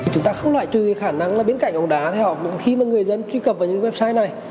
chúng ta không loại trừ khả năng là bên cạnh bóng đá thì khi mà người dân truy cập vào những website này